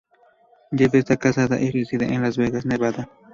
Jaffe está casada y reside en Las Vegas, Nevada.